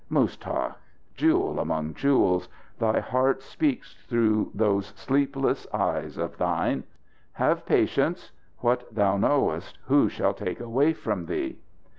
Muztagh jewel among jewels! Thy heart speaks through those sleepless eyes of thine! Have patience what thou knowest, who shall take away from thee?"